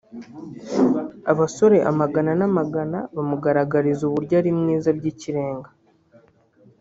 abasore amagana n’amagana bamugaragariza uburyo ari mwiza by’ikirenga